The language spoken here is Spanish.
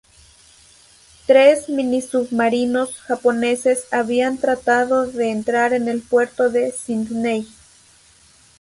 Tres minisubmarinos japoneses habían tratado de entrar en el puerto de Sídney.